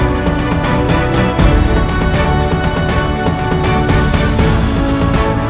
bukan dia lagi main